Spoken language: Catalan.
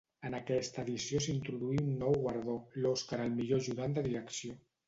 En aquesta edició s'introduí un nou guardó, l'Oscar al millor ajudant de direcció.